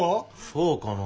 そうかな？